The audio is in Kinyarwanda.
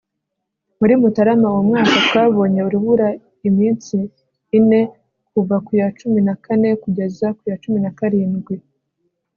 Muri Mutarama uwo mwaka twabonye urubura iminsi ine kuva ku ya cumi na kane kugeza ku ya cumi na karindwi